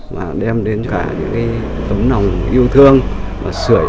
mà đem đến cả những cái tấm nòng yêu thương và sưởi ấm